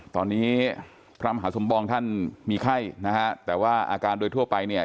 ตอนนี้พระมหาสมปองท่านมีไข้นะฮะแต่ว่าอาการโดยทั่วไปเนี่ย